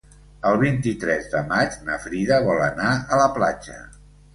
El vint-i-tres de maig na Frida vol anar a la platja.